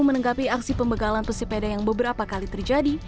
menanggapi aksi pembegalan pesepeda yang beberapa kali terjadi